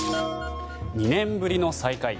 ２年ぶりの再開。